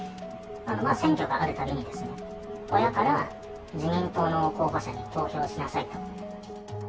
選挙があるたびに、親から自民党の候補者に投票しなさいと。